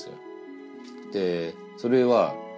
でそれは